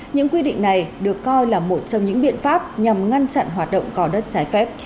những quy định này được coi là một trong những biện pháp nhằm ngăn chặn hoạt động gò đất trái phép